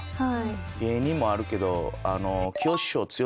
芸人もあるけど。